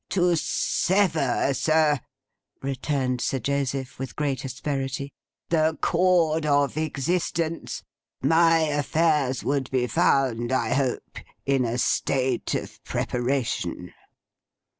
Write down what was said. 'To sever, sir,' returned Sir Joseph, with great asperity, 'the cord of existence—my affairs would be found, I hope, in a state of preparation.